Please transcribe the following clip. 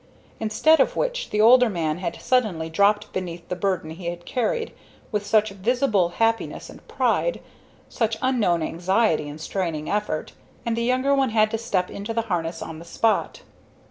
Instead of which the older man had suddenly dropped beneath the burden he had carried with such visible happiness and pride, such unknown anxiety and straining effort; and the younger one had to step into the harness on the spot.